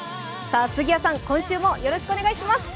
杉谷さん、今週もよろしくお願いします。